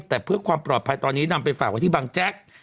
แต่เพื่อความปลอดภัยตอนนี้นำไปฝากไว้ที่บางแจ๊ก